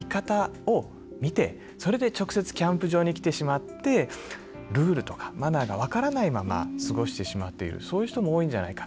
でも、最近はＹｏｕＴｕｂｅでキャンプのやり方を見てそれで直接、キャンプ場に来てしまって、ルールとかマナーが分からないまま過ごしてしまっているそういう人も多いんじゃないか。